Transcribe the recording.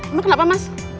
emang kenapa mas